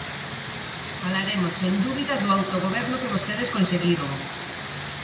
Falaremos sen dúbida do autogoberno que vostedes conseguiron.